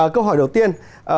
câu hỏi đầu tiên